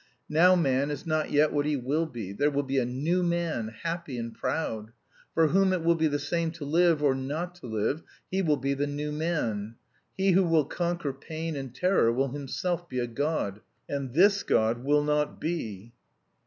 Now man is not yet what he will be. There will be a new man, happy and proud. For whom it will be the same to live or not to live, he will be the new man. He who will conquer pain and terror will himself be a god. And this God will not be."